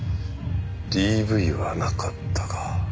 ＤＶはなかったか。